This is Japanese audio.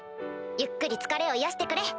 ゆっくり疲れを癒やしてくれ。